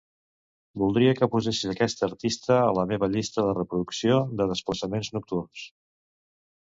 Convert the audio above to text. Voldria que posessis aquest artista a la meva llista de reproducció de Desplaçaments nocturns.